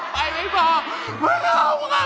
ไปดีกว่า